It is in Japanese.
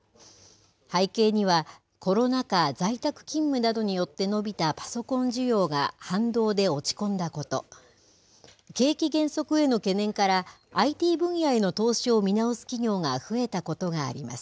背景には、コロナ禍、在宅勤務などによって伸びたパソコン需要が反動で落ち込んだこと、景気減速への懸念から、ＩＴ分野への投資を見直す企業が増えたことがあります。